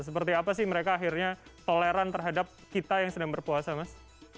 seperti apa sih mereka akhirnya toleran terhadap kita yang sedang berpuasa mas